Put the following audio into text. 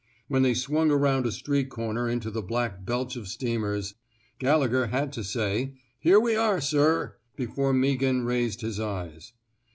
When they swung around a street comer into the black belch of steamers, Gallegher had to say, '* Here we are, sir,'' before Mea ghan raised his eyes.